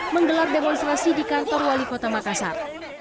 menggelar demonstrasi di kantor wali kota makassar